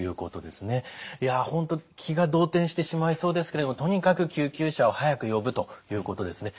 いや本当気が動転してしまいそうですけれどもとにかく救急車を早く呼ぶということですね。